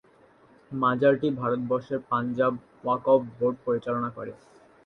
মাজারটি ভারতের পাঞ্জাব ওয়াকফ বোর্ড পরিচালনা করে।